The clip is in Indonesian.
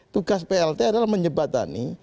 tugas plt adalah menyebatani